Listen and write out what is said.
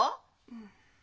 うん。